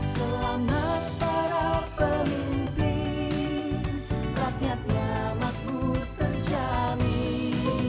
selamat para pemimpin ratnyatnya maku terjamin